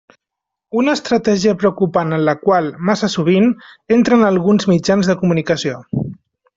Una estratègia preocupant en la qual, massa sovint, entren alguns mitjans de comunicació.